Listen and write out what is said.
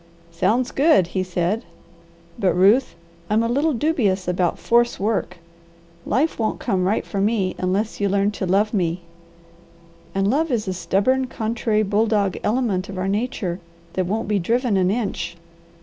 "Sounds good!" he said. "But, Ruth, I'm a little dubious about force work. Life won't come right for me unless you learn to love me, and love is a stubborn, contrary bulldog element of our nature that won't be driven an inch.